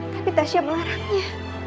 tapi tak siap melarangnya